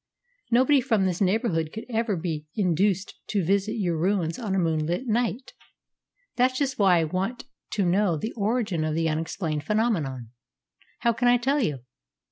Nobody from this neighbourhood could ever be induced to visit your ruins on a moonlit night." "That's just why I want to know the origin of the unexplained phenomenon." "How can I tell you?"